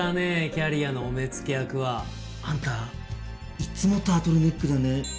キャリアのお目付け役は。あんたいつもタートルネックだね。